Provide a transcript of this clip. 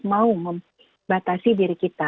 mau membatasi diri kita